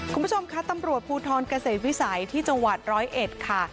คุณผู้ชมคะตำรวจภูทรเกษตรวิสัยที่จังหวัดร้อยเอ็ดค่ะ